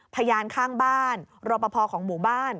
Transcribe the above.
พยานข้างบ้านรอปภของหมู่บ้าน